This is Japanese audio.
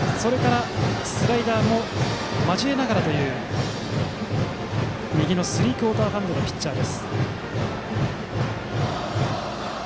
スライダーも交えながらという右のスリークオーターハンドのピッチャーです。